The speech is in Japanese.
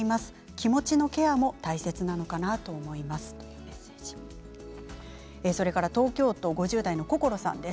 気持ちのケアも大切なのかなと思いますというメッセージです。